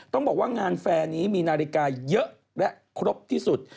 ต้องบอกว่างานแฟร์นี้มีนาฬิกาเยอะและครบที่สุด